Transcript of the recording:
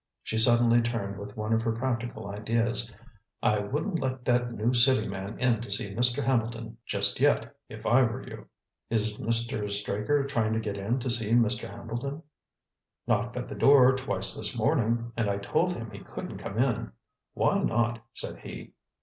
She suddenly turned with one of her practical ideas. "I wouldn't let that new city man in to see Mr. Hambleton just yet, if I were you." "Is Mr. Straker trying to get in to see Mr. Hambleton?" "Knocked at the door twice this morning, and I told him he couldn't come in. 'Why not?' said he.